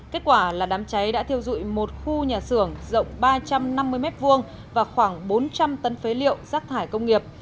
kết quả là đám cháy đã thiêu dụi một khu nhà xưởng rộng ba trăm năm mươi m hai và khoảng bốn trăm linh tấn phế liệu rác thải công nghiệp